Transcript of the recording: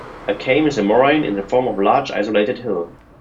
A "kame" is a moraine in the form of a large, isolated hill.